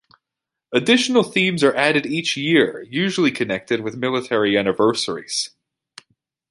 Additional themes are added each year, usually connected with military anniversaries.